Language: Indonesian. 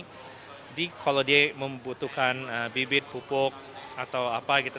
jadi kalau dia membutuhkan bibit pupuk atau apa gitu